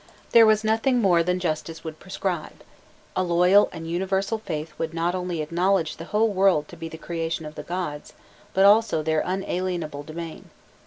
This was nothing more than justice would prescribe. A loyal and universal faith would not only acknowledge the whole world to be the creation of the gods, but also their inalienable domain.